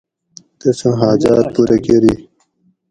تسوں حاجاۤت پُورہ کۤری